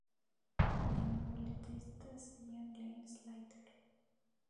El nuevo letrista sería Glenn Slater.